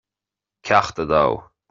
Ceacht a Dó